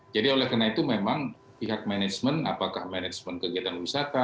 jadi oleh karena itu memang pihak manajemen apakah manajemen kegiatan wisata